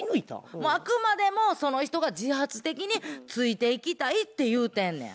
あくまでもその人が自発的についていきたいって言うてんねん。